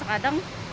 jadi agak luar biasa